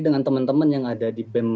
dengan teman teman yang ada di bem